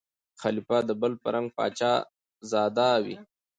خلیفه د بل په رنګ پاچا زاده وي